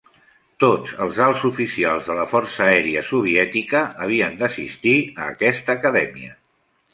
Tots els alts oficials de la Força Aèria Soviètica havien d'assistir a aquesta acadèmia.